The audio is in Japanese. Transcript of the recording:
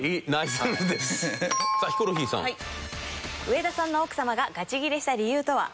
上田さんの奥様がガチギレした理由とは？